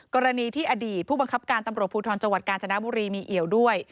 กรณีที่อดีตผู้บังคับการตำรวจภูทรจังหวัดกาญจนบุรีมีเอี่ยวด้วย